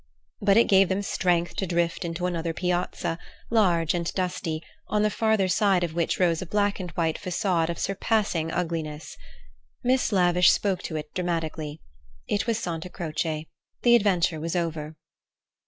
But it gave them strength to drift into another Piazza, large and dusty, on the farther side of which rose a black and white façade of surpassing ugliness. Miss Lavish spoke to it dramatically. It was Santa Croce. The adventure was over.